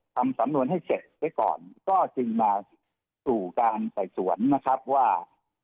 ทำสำนวนให้เสร็จไว้ก่อนก็จึงมาสู่การไต่สวนนะครับว่า